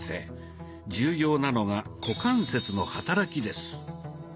重要なのが股関節の働きです。